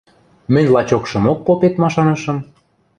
Мӹнь лачокшымок попет машанышым...